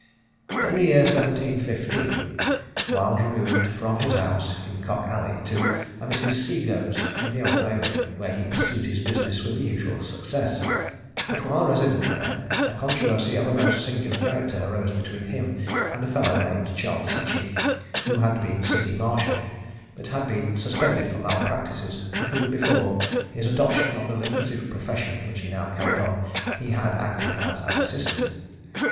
In the year 1715 Wild removed from his house in Cock Alley to a Mrs. Seagoe's, in the Old Bailey, where he pursued his business with the usual success; but while resident there, a controversy of a most singular character arose between him and a fellow named Charles Hitchin, who had been city marshal, but had been suspended for malpractices, to whom before his adoption of the lucrative profession which he now carried on, he had acted as assistant.